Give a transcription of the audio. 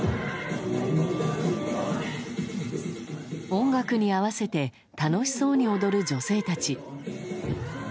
音楽に合わせて楽しそうに踊る女性たち。